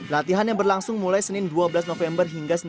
latihan yang berlangsung mulai senin dua belas november hingga september